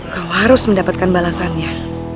kau harus mendapatkan balasannya